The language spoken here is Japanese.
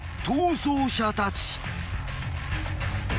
逃走者たち］